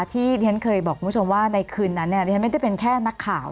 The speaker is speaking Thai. ที่ฉันเคยบอกคุณผู้ชมว่าในคืนนั้นดิฉันไม่ได้เป็นแค่นักข่าว